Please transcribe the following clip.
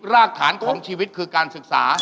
รากฐานของชีวิตคือการศึกษา